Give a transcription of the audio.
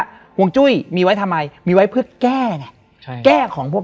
และวันนี้แขกรับเชิญที่จะมาเยี่ยมในรายการสถานีผีดุของเรา